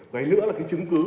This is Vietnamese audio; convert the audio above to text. cái nữa là cái chứng cứ